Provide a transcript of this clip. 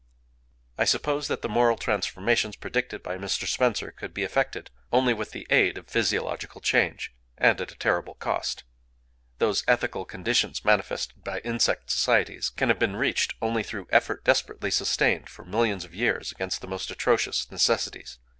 I suppose that the moral transformations predicted by Mr. Spencer, could be effected only with the aid of physiological change, and at a terrible cost. Those ethical conditions manifested by insect societies can have been reached only through effort desperately sustained for millions of years against the most atrocious necessities.